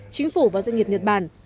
chính phủ và doanh nghiệp nhật bản